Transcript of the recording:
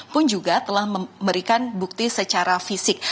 pun juga telah memberikan bukti secara fisik